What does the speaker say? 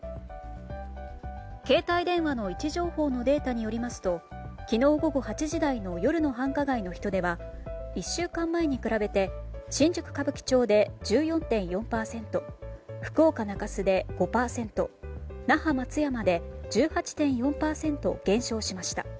携帯電話の位置情報のデータによりますと昨日午後８時台の夜の繁華街の人出は１週間前に比べて新宿・歌舞伎町で１４．４％福岡・中洲で５％那覇・松山で１８．４％減少しました。